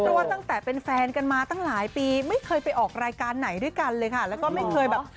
เพราะว่าตั้งแต่เป็นแฟนกันมาตั้งหลายปีไม่เคยไปออกรายการไหนด้วยกันเลยค่ะแล้วก็ไม่เคยแบบ